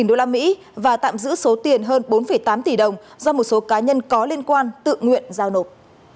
một trăm linh usd và tạm giữ số tiền hơn bốn tám tỷ đồng do một số cá nhân có liên quan tự nguyện giao nộp